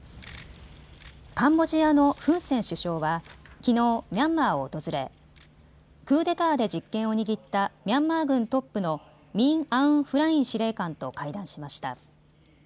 カンボジアのフン・セン首相はきのうミャンマーを訪れクーデターで実権を握ったミャンマー軍トップのミン・アウン・フライン司令官と会談しました。